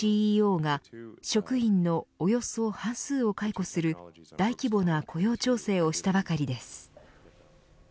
ＣＥＯが職員のおよそ半数を解雇する大規模な雇用調整をしたばかりです。